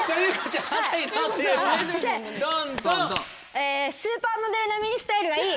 えスーパーモデル並みにスタイルがいい。